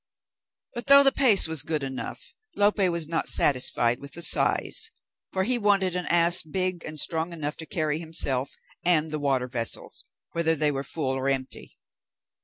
But though the pace was good enough, Lope was not satisfied with the size, for he wanted an ass big and strong enough to carry himself and the water vessels, whether they were full or empty.